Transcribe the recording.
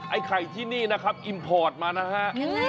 ไอ้ไข่ที่นี่นะครับอิมพอร์ตมานะฮะ